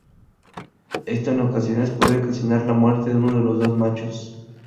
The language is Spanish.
Esto en ocasiones puede ocasionar la muerte de uno de los dos machos.